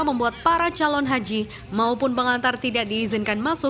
membuat para calon haji maupun pengantar tidak diizinkan masuk